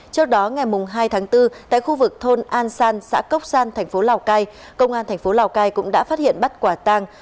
trước đó ngày hai tháng bốn tại khu vực thôn an san xã cốc san thành phố lào cai công an thành phố lào cai cũng đã phát hiện bắt quả tang